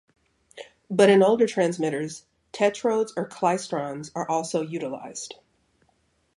But in older transmitters tetrodes or klystrons are also utilized.